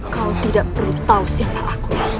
kau tidak perlu tahu siapa aku